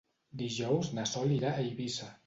Dijous na Sol irà a Eivissa.